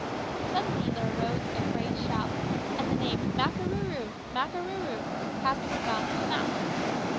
Suddenly there arose a great shout, and the name "Makarooroo, Makarooroo," passed from mouth to mouth.